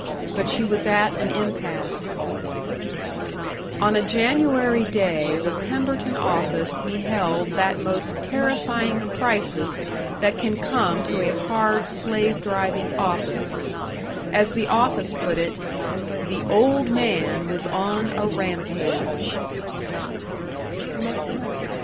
But she was at an impasse. On a January day the Pemberton office beheld that most terrifying crisis that can come to a hard, slave driving office. As the office put it, "The Old Man was on a rampage."